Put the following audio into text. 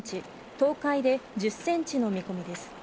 東海で１０センチの見込みです。